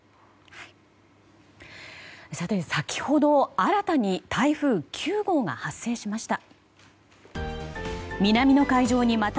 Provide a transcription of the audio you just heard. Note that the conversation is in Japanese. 先ほど、新たに台風９号が発生しました。